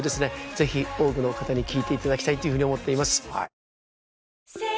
ぜひ多くの方に聴いていただきたいというふうに思っています。